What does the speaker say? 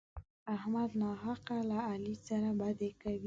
احمد ناحقه له علي سره بدي کوي.